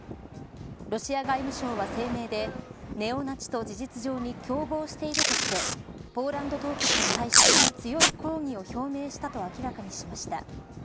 ロシア外務省は声明でネオナチと事実上に共謀しているとしてポーランド当局に対し強い抗議を表明したと明らかにしました。